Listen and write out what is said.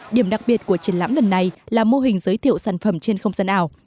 điểm đặc biệt của triển lãm lần này là mô hình giới thiệu sản phẩm trên không gian ảo